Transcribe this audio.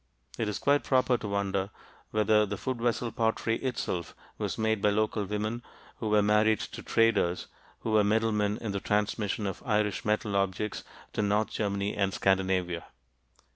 It is quite proper to wonder whether the food vessel pottery itself was made by local women who were married to traders who were middlemen in the transmission of Irish metal objects to north Germany and Scandinavia.